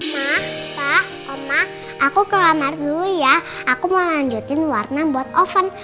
ma pa oma aku ke kamar dulu ya aku mau lanjutin warna buat oven